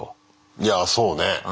いやあそうね。